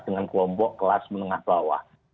dengan kelompok kelas menengah bawah